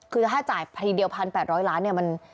คือถ้าจ่ายทีเดียว๑๘๐๐ล้านเนี่ย